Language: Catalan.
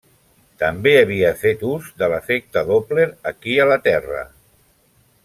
També havia fet ús de l'efecte Doppler aquí a la Terra.